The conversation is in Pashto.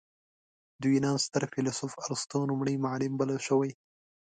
د یونان ستر فیلسوف ارسطو لومړی معلم بلل شوی.